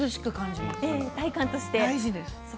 大事です。